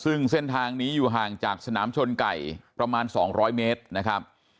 ซึ่งเส้นทางนี้อยู่ห่างจากสนามชนไก่ประมาณ๒๐๐เมตรนะครับ